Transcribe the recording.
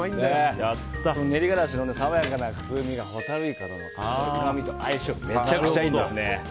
練りがらしの爽やかな風味がホタルイカのうまみと相性がめちゃくちゃいいんです。